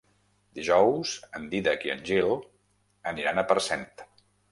Dijous en Dídac i en Gil aniran a Parcent.